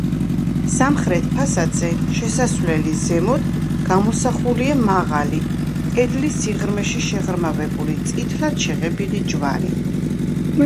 სამხრეთ ფასადზე, შესასვლელის ზემოთ, გამოსახულია მაღალი, კედლის სიღრმეში შეღრმავებული, წითლად შეღებილი ჯვარი.